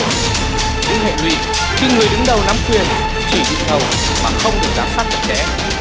nhưng hệ lùi tương người đứng đầu nắm quyền chỉ bị thầu mà không được giả sát thực tế